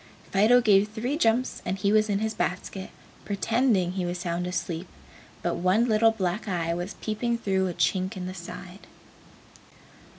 Fido gave three jumps and he was in his basket, pretending he was sound asleep, but one little black eye was peeping through a chink in the side.